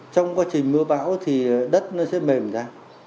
trong quá trình mưa bão thì đất nó sẽ mềm ra